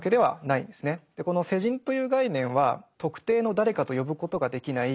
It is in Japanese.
この世人という概念は特定の誰かと呼ぶことができない